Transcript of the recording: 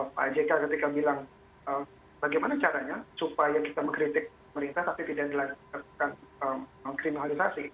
pak jk ketika bilang bagaimana caranya supaya kita mengkritik pemerintah tapi tidak dilakukan kriminalisasi